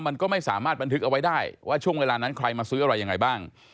มันก็ไม่สามารถบันทึกเอาไว้ได้ว่าช่วงเวลานั้นใครมาซื้ออะไรยังไงบ้าง